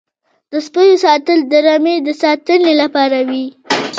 د سپیو ساتل د رمې د ساتنې لپاره وي.